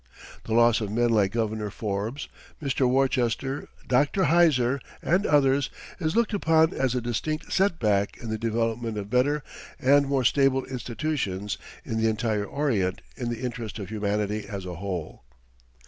The loss of men like Governor Forbes, Mr. Worcester, Dr. Heiser, and others, is looked upon as a distinct setback in the development of better and more stable institutions in the entire Orient in the interest of humanity as a whole."